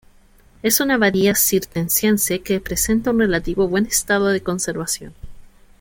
Es una abadía cisterciense, que presenta un relativo buen estado de conservación.